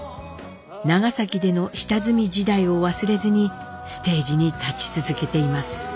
長崎での下積み時代を忘れずにステージに立ち続けています。